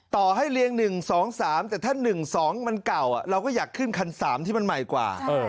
ต่อให้เรียง๑๒๓แต่ถ้า๑๒มันเก่าเราก็อยากขึ้นคัน๓ที่มันใหม่กว่า